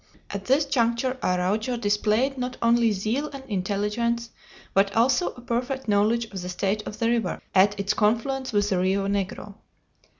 At this juncture Araujo displayed not only zeal and intelligence, but also a perfect knowledge of the state of the river at its confluence with the Rio Negro.